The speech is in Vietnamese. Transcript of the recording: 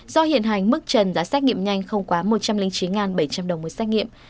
do hiện hành mức trần giá xét nghiệm nhanh không quá một trăm linh chín bảy trăm linh đồng một xét nghiệm